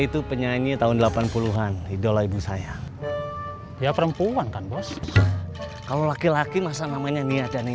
gue dari mana mana